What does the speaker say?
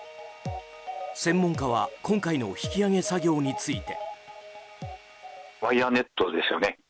専門家は今回の引き揚げ作業について。